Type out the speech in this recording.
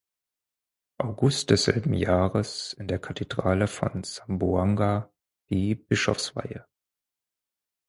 August desselben Jahres in der Kathedrale von Zamboanga die Bischofsweihe.